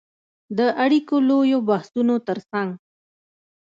د اړیکو د لویو بحثونو ترڅنګ